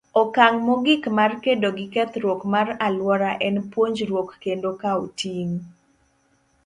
Okang' mogik mar kedo gi kethruok mar alwora en puonjruok kendo kawo ting'.